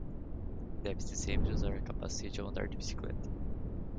Deve-se sempre usar capacete ao andar de bicicleta.